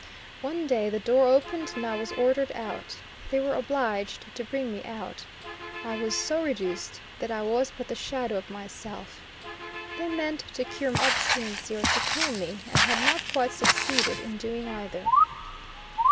One day the door opened and I was ordered out. They were obliged to bring me out; I was so reduced that I was but the shadow of myself. They meant to cure my obstinacy or to kill me, and had not quite succeeded in doing either.